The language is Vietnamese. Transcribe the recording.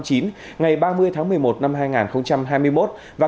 và công điện số hai mươi bốn ngày ba mươi tháng một mươi một năm hai nghìn hai mươi một